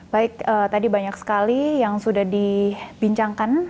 baik tadi banyak sekali yang sudah dibincangkan